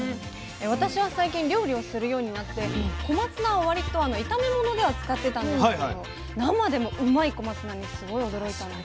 私は最近料理をするようになって小松菜を割と炒め物では使ってたんですけれど生でもうまい小松菜にすごい驚いたんです。